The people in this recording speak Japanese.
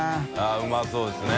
うまそうですね。